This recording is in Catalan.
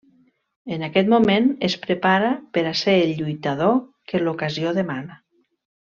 En aquest moment es prepara per a ser el lluitador que l'ocasió demana.